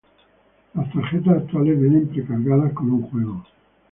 Las tarjetas actuales vienen pre-cargadas con un juego.